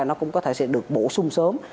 nó cũng có thể sẽ được bổ sung sớm